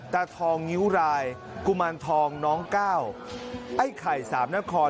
ตาทองงิ้วรายกุมารทองน้องก้าวไอ้ไข่สามนคร